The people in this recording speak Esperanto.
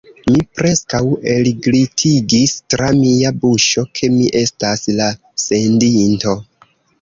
Mi preskaŭ elglitigis tra mia buŝo, ke mi estas la sendinto.